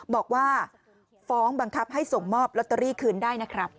บอกว่าฟ้องบังคับให้ส่งมอบลอตเตอรี่คืนได้นะครับ